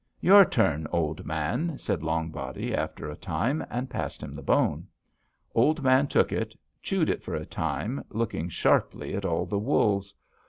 "'Your turn, Old Man,' said Long Body after a time, and passed him the bone. Old Man took it, chewed it for a time, looking sharply at all the wolves.